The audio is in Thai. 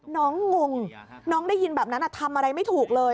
งงน้องได้ยินแบบนั้นทำอะไรไม่ถูกเลย